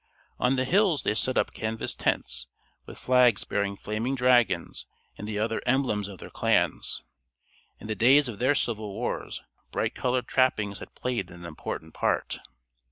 On the hills they set up canvas tents, with flags bearing flaming dragons and the other emblems of their clans. In the days of their civil wars bright colored trappings had played an important part.